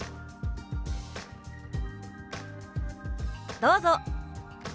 どうぞ！